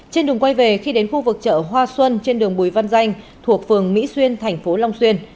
trên đường quay về khi đến khu vực chợ hoa xuân trên đường bùi văn danh thuộc phường mỹ xuyên thành phố long xuyên